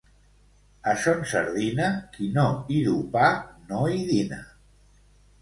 A Son Sardina, qui no hi du pa, no hi dina.